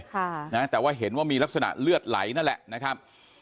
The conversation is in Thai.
ค่ะนะแต่ว่าเห็นว่ามีลักษณะเลือดไหลนั่นแหละนะครับ